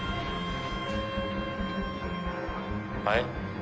はい？